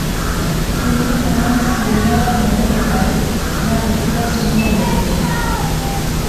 انی نہ زمیا را ندر ہٹائی نہ ہیک لفظ مونہواں بولی